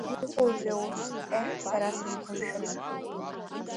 Иҟоузеи усс, еҳ сара сызқәмшәац…